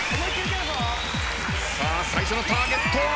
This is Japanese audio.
さあ最初のターゲット。